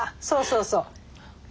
そうそうそう。